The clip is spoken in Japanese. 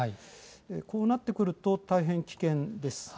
こうなってくると大変危険です。